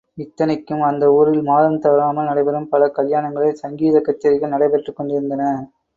இத்தனைக்கும் அந்த ஊரில் மாதம் தவறாமல் நடைபெறும் பல கல்யாணங்களில் சங்கீத கச்சேரிகள் நடைபெற்றுகொண்டிருந்தன.